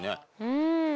うん。